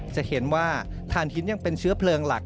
จะเห็นว่าฐานหินยังเป็นเชื้อเพลิงหลัก